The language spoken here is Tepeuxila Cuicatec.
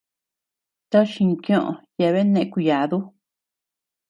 Toch jinkioʼö yabean nëʼe kuyadu.